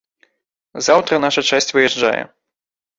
Заўтра наша часць выязджае.